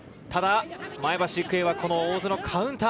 前橋育英は大津のカウンター。